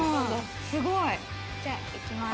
すごい。じゃあいきます。